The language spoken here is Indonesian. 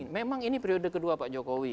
memang ini periode kedua pak jokowi